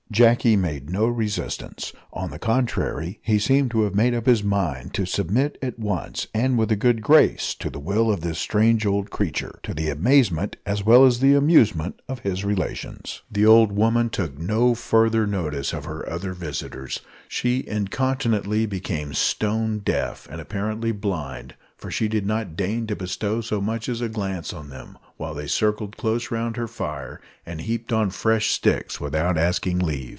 Jacky made no resistance; on the contrary, he seemed to have made up his mind to submit at once, and with a good grace, to the will of this strange old creature to the amazement as well as amusement of his relations. The old woman took no further notice of her other visitors. She incontinently became stone deaf; and apparently blind, for she did not deign to bestow so much as a glance on them, while they circled close round her fire, and heaped on fresh sticks without asking leave.